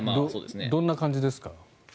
どんな感じですか。